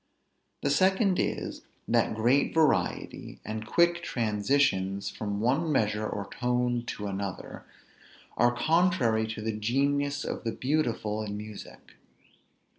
The second is; that great variety, and quick transitions from one measure or tone to another, are contrary to the genius of the beautiful in music.